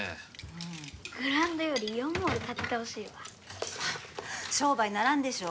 うんグラウンドよりイオンモール建ててほしいわ商売にならんでしょ